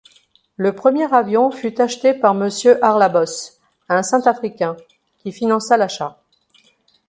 Le premier avion fut acheté par Monsieur Arlabosse, un Saint-Affricain, qui finança l'achat.